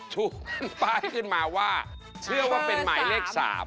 ถูกขึ้นป้ายขึ้นมาว่าเชื่อว่าเป็นหมายเลข๓